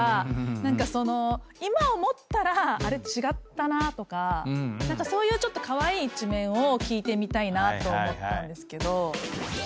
何かその今思ったらあれ違ったなとかそういうちょっとカワイイ一面を聞いてみたいと思ったんですけど。